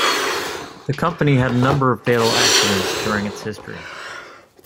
The company had a number of fatal accidents during its history.